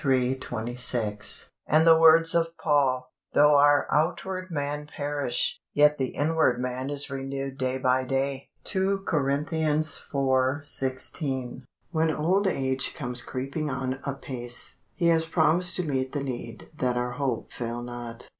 26), and the words of Paul: "Though our outward man perish, yet the inward man is renewed day by day" (2 Cor. iv. 16). When old age comes creeping on apace, He has promised to meet the need that our hope fail not.